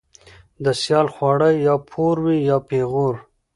ـ د سيال خواړه يا پور وي يا پېغور.